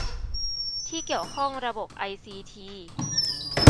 ที่เกี่ยวข้องระบบไอซีที